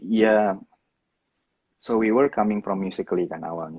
jadi kita datang dari musically kan awalnya